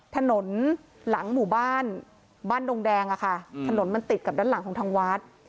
ถนนหลังหมู่บ้านบ้านดงแดงอะค่ะถนนมันติดกับด้านหลังของทางวัด